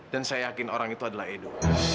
dan saya yakin orang itu adalah edo